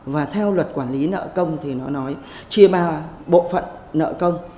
và theo luật quản lý nợ công thì nó nói chia bao bộ phận nợ công